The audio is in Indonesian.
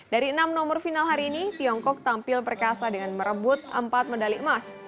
dari enam nomor final hari ini tiongkok tampil perkasa dengan merebut empat medali emas